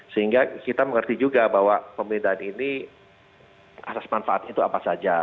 sehingga kita mengerti juga bahwa pemindahan ini asas manfaatnya itu apa saja